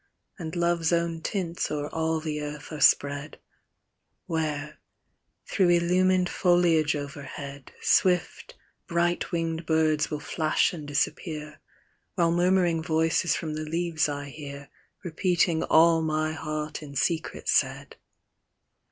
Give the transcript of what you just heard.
And Love's own tints o'er all the earth are spread ; Where, through illumined foliage overhead, Swift, bright winged birds will flash and disappear, While murmuring voices from the leaves I hear. Repeating all my heart in secret said.